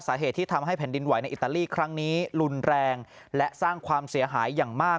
สาเหตุที่ทำให้แผ่นดินไหวในอิตาลีครั้งนี้รุนแรงและสร้างความเสียหายอย่างมาก